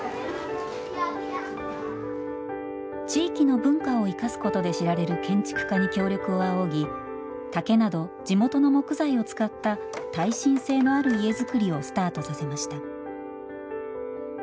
地域の文化を生かすことで知られる建築家に協力を仰ぎ竹など地元の木材を使った耐震性のある家造りをスタートさせました。